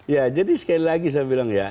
ya jadi sekali lagi saya bilang ya